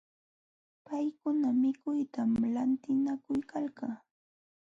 Paykuna mikuytam lantinakuykalkan.